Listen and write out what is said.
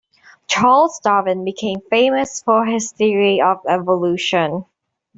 Charles Darwin became famous for his theory of evolution.